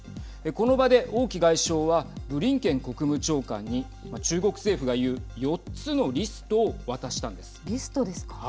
この場で王毅外相はブリンケン国務長官に中国政府が言う４つのリストをリストですか。